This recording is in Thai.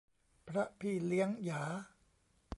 พระพี่เลี้ยงหยา